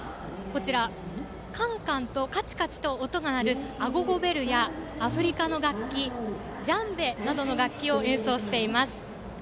カンカン、カチカチと音が鳴るアゴゴベルやアフリカの楽器、ジャンベなどの楽器を演奏しています。